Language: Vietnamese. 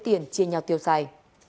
tiền chia nhau tiêu xài